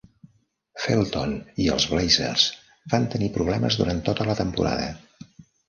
Felton i els Blazers van tenir problemes durant tota la temporada.